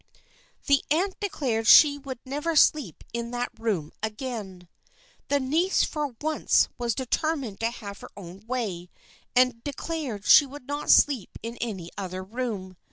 The aunt declared she would never sleep in that room again. The niece for once was determined to have her own way, and declared she would not sleep in any other room.